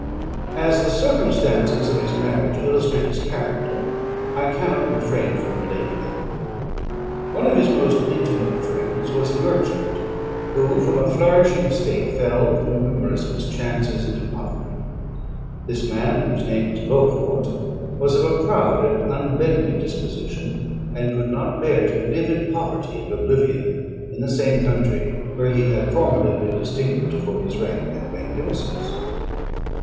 As the circumstances of his marriage illustrate his character, I cannot refrain from relating them. One of his most intimate friends was a merchant, who, from a flourishing state, fell, through numerous mischances, into poverty. This man, whose name was Beaufort, was of a proud and unbending disposition, and could not bear to live in poverty and oblivion in the same country where he had formerly been distinguished for his rank and magnificence.